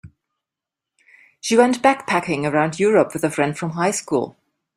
She went backpacking around Europe with a friend from high school.